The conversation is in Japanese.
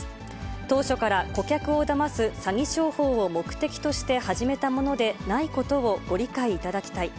当初から顧客をだます詐欺商法を目的として始めたものでないことをご理解いただきたい。